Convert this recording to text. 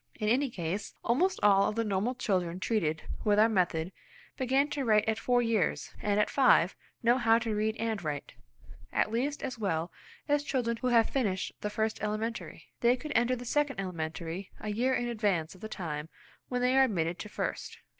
In any case, almost all of the normal children treated with our method begin to write at four years, and at five know how to read and write, at least as well as children who have finished the first elementary. They could enter the second elementary a year in advance of the time when they are admitted to first.